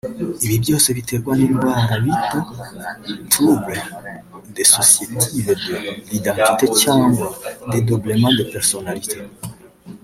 Ibi byose biterwa n’indwara bita trouble disociative de l’identite cyangwa dedoublement de personalite